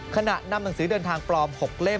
นำหนังสือเดินทางปลอม๖เล่ม